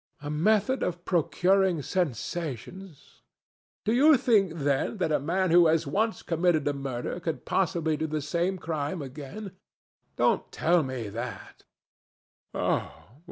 "A method of procuring sensations? Do you think, then, that a man who has once committed a murder could possibly do the same crime again? Don't tell me that."